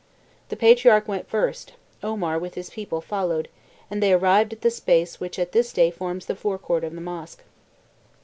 The patriarch went first; Omar, with his people, followed; and they arrived at the space which at this day forms the forecourt of the mosque.